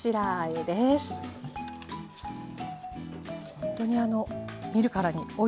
ほんとにあの見るからにおいしそう！